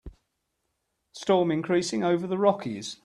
Storm increasing over the Rockies.